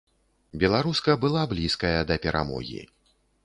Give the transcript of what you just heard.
Беларуска была блізкая да перамогі.